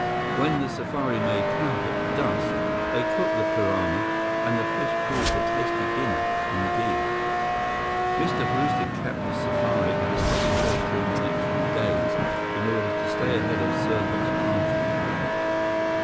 When the safari made camp at dusk, they cooked the piranha, and the fish proved a tasty dinner, indeed. Mr. Brewster kept the safari at a steady pace during the next few days in order to stay ahead of Serbot's party.